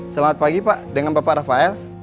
selamat pagi pak dengan bapak rafael